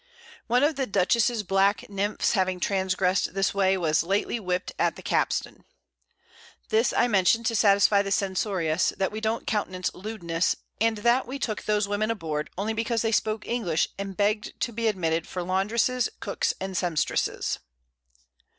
One of the Dutchess's black Nymphs having transgressed this Way, was lately whip'd at the Capston. This I mention to satisfy the censorious, that we don't countenance Lewdness, and that we took those Women aboard, only because they spoke English, and begg'd to be admitted for Landresses, Cooks and Semstresses.